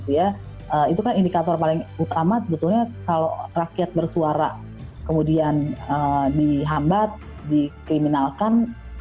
itu kan indikator paling utama sebetulnya kalau rakyat bersuara kemudian dihambat dikriminalkan